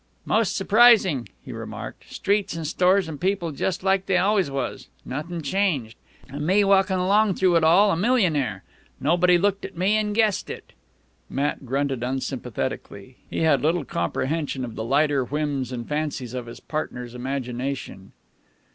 "Most surprising," he remarked. "Streets, an' stores, an' people just like they always was. Nothin' changed. An' me walkin' along through it all a millionnaire. Nobody looked at me an' guessed it" Matt grunted unsympathetically. He had little comprehension of the lighter whims and fancies of his partner's imagination.